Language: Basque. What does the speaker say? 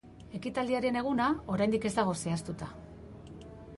Ekitaldiaren eguna oraindik ez dago zehaztuta.